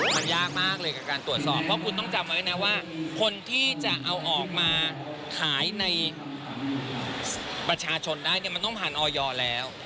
มันยากมากเลยกับการตรวจสอบเพราะคุณต้องจำไว้นะว่าคนที่จะเอาออกมาขายในประชาชนได้เนี่ยมันต้องผ่านออยแล้ว